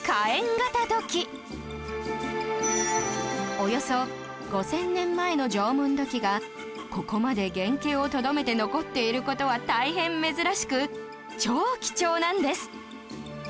およそ５０００年前の縄文土器がここまで原形をとどめて残っている事は大変珍しく超貴重なんです